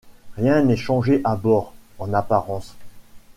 Rien n’est changé à bord, — en apparence.